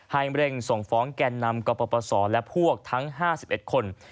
ให้เร่งส่งฟ้องแก่นำกับประปเศรษฐ์และพวกทั้ง๕๑คน